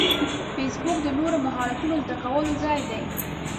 فېسبوک د نوو مهارتونو زده کولو ځای دی